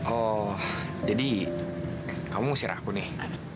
oh jadi kamu ngusir aku nih